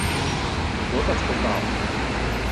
Людота спитав: